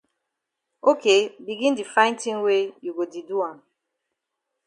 Ok begin di find tin wey you go di do am.